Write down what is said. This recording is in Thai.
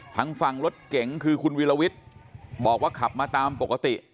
ทางฝั่งรถเก๋งคือคุณวิลวิทย์บอกว่าขับมาตามปกติ